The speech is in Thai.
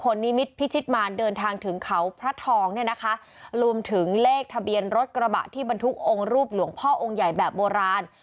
นิมิตพิชิตมารเดินทางถึงเขาพระทองเนี่ยนะคะรวมถึงเลขทะเบียนรถกระบะที่บรรทุกองค์รูปหลวงพ่อองค์ใหญ่แบบโบราณ